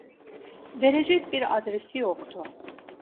Verecek bir adresi yoktu.